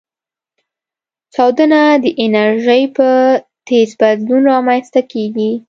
چاودنه د انرژۍ په تیز بدلون رامنځته کېږي.